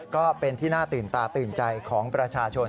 ก็เป็นที่น่าตื่นตาตื่นใจของประชาชน